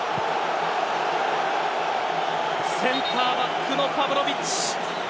センターバックのパヴロヴィッチ。